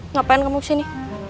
ngapain kamu kesini